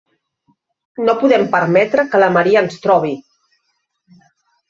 No podem permetre que la Maria ens trobi!